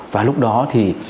và lúc đó thì